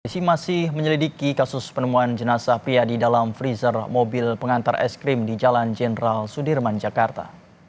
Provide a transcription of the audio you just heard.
polisi masih menyelidiki kasus penemuan jenazah pria di dalam freezer mobil pengantar es krim di jalan jenderal sudirman jakarta